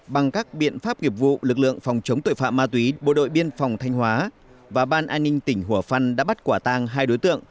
bằng các biện pháp nghiệp vụ lực lượng phòng chống tội phạm ma túy bộ đội biên phòng thanh hóa và ban an ninh tỉnh hùa phân đã bắt quả tang hai đối tượng